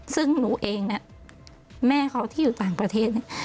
ซึ่งหนูเองแม่เขาที่อยู่ต่างประเทศ